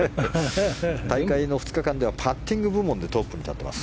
大会の２日間ではパッティング部門でトップに立っています。